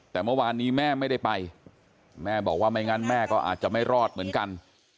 แต่เมื่อวานนี้แม่ไม่ได้ไปแม่บอกว่าไม่งั้นแม่ก็อาจจะไม่รอดเหมือนกัน